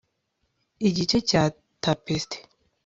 igice cya tapeste